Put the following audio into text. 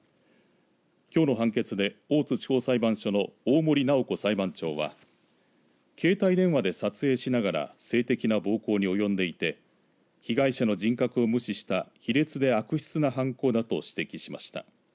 きょうの判決で大津地方裁判所の大森直子裁判長は携帯電話で撮影しながら性的な暴行に及んでいて被害者の人格を無視した卑劣で悪質な犯行だと指摘しました。